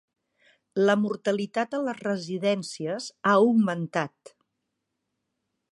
La mortalitat a les residències ha augmentat.